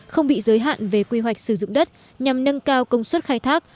không bị giới hạn về quy hoạch sử dụng đất nhằm nâng cao công suất khai thác